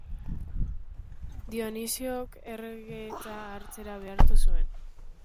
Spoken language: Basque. Dionisiok erregetza hartzera behartu zuen.